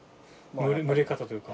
蒸れ方というか。